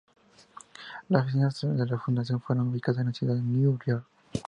Las oficinas de la Fundación fueron ubicadas en la ciudad de Nueva York.